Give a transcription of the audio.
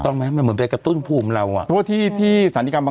ก็ต้องไหมมันเหมือนไปกระตุ้นภูมิเรา